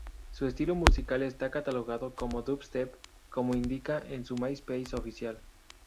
Su estilo musical está catalogado como Dubstep, como indica en su MySpace Oficial.